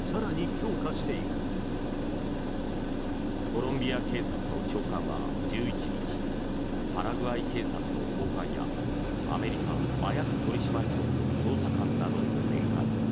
コロンビア警察の長官は１１日パラグアイ警察の高官やアメリカ麻薬取締局の捜査官らと面会。